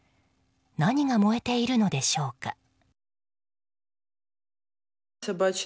何が燃えているのでしょうか。